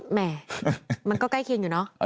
แหม่มันก็ใกล้เคียงอยู่เนอะ